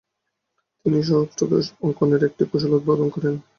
তিনি সপ্তদশভুজ অঙ্কনের একটি কৌশল উদ্ভাবন করেন।